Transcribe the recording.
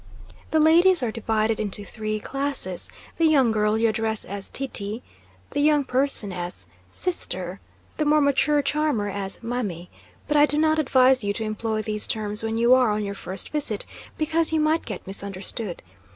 The ladies are divided into three classes; the young girl you address as "tee tee"; the young person as "seester"; the more mature charmer as "mammy"; but I do not advise you to employ these terms when you are on your first visit, because you might get misunderstood.